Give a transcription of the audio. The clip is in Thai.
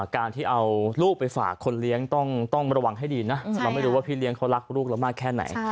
การที่เอาลูกไปฝากคนเลี้ยงต้องระวังให้ดีนะเราไม่รู้ว่าพี่เลี้ยงเขารักลูกเรามากแค่ไหน